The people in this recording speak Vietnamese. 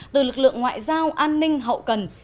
từ lực lượng ngoại giao an ninh hậu cần